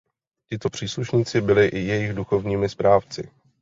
Tito příslušníci byli i jejich duchovními správci.